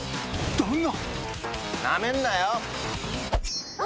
だが！